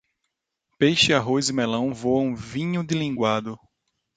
Peixe, arroz e melão voam vinho de linguado.